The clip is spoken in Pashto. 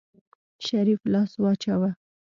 شريف لاس واچوه.